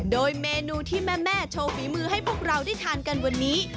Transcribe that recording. โดยเมนูที่แม่โชว์ฝีมือให้พวกเราได้ทานกันวันนี้